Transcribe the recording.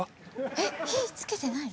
えっ火付けてないの？